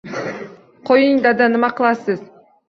Qo‘ying, dada, nima qilasiz